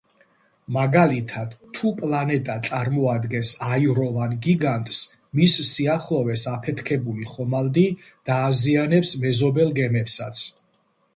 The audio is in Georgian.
მაგალითად, თუ პლანეტა წარმოადგენს აიროვან გიგანტს, მის სიახლოვეს აფეთქებული ხომალდი დააზიანებს მეზობელ გემებსაც.